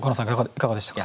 いかがでしたか？